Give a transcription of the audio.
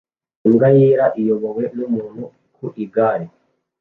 imbwa yera iyobowe numuntu ku igare